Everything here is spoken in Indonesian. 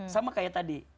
sama kayak tadi